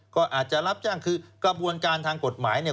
ก็อาจจะรับจ้างคือกระบวนการทางกฎหมายเนี่ย